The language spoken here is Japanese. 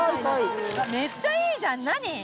めっちゃいいじゃん何？